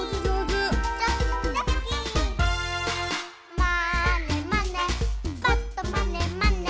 「まーねまねぱっとまねまね」